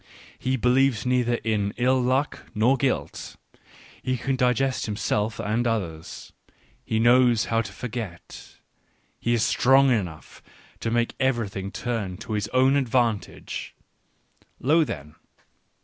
He believes neither in " ill luck" nor "guilt"; he can digest himself and others ; he knows how to forget — he is strong enough to make everything turn to his own advantage^ Lo then